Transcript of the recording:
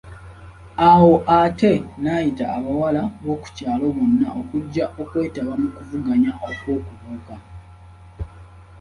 Awo ate n'ayita abawala b'okukyalo bonna okujja okwetaba mu kuvuganya okw'okubuuka.